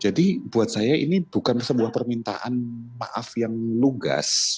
jadi buat saya ini bukan sebuah permintaan maaf yang lugas